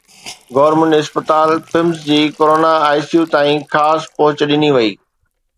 Government اسپتال پمز جي corona ICU تائين خاص پهچ ڏني وئي.